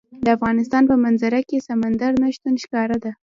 د افغانستان په منظره کې سمندر نه شتون ښکاره ده.